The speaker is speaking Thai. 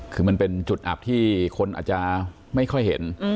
คือมันเป็นจุดอับที่คนอาจจะไม่ค่อยเห็น